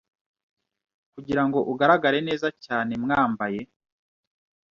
kugirango ugaragare neza cyane mwambaye